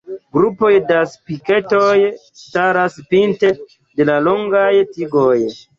Grupoj da spiketoj staras pinte de longaj tigoj.